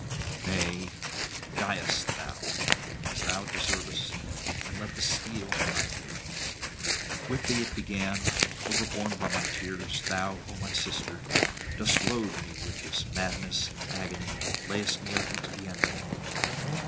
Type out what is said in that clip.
Nay die thou, as thou deservest, and let the steel end thy pain. With thee it began; overborne by my tears, thou, O my sister, dost load me with this madness and agony, and layest me open to the enemy.